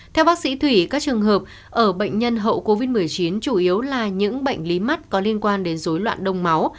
theo bác sĩ thủy các trường hợp ở bệnh nhân hậu covid một mươi chín chủ yếu là những bệnh lý mắt có liên quan đến dối loạn đông máu